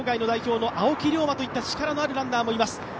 代表の青木涼真といった力のあるランナーもいます。